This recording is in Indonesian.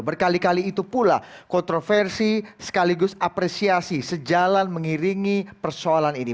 berkali kali itu pula kontroversi sekaligus apresiasi sejalan mengiringi persoalan ini